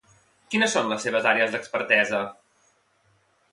Quines són les seves àrees d'expertesa?